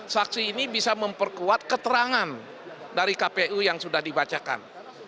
saksi ini bisa memperkuat keterangan dari kpu yang sudah dibacakan